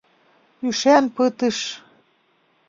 Ӱшан пытыш.